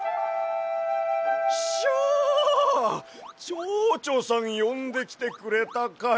ちょうちょさんよんできてくれたかや。